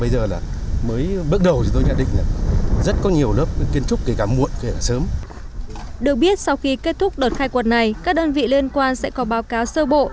được biết sau khi kết thúc đợt khai quật này các đơn vị liên quan sẽ có báo cáo sơ bộ